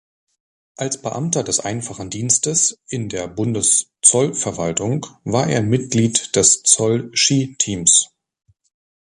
Als Beamter des einfachen Dienstes in der Bundeszollverwaltung war er Mitglied des Zoll-Ski-Teams.